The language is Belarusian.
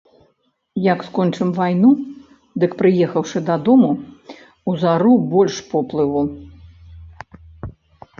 А як скончым вайну, дык, прыехаўшы дадому, узару больш поплаву.